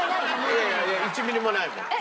いやいや１ミリもないもん。